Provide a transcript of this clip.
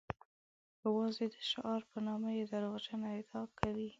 یوازې د شعار په نامه یې دروغجنه ادعا کوي.